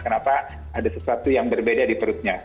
kenapa ada sesuatu yang berbeda di perutnya